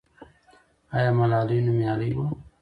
آیا ملالۍ نومیالۍ وه؟